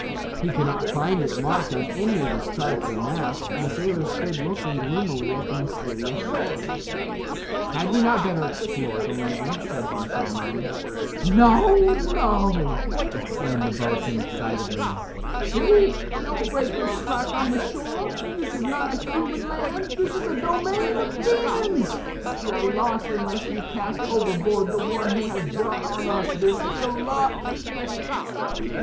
He could not find it marked on any of his charts or maps, and the sailors stood looking gloomily at the mysterious shore. "Had we not better explore the land?" said Bar Shalmon. "No, no," exclaimed the boatswain, excitedly. "See, no breakers strike on the shore. This is not a human land. This is a domain of demons. We are lost unless we cast overboard the one who has brought on us this ill luck."